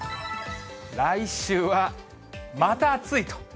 来週はまた暑いと。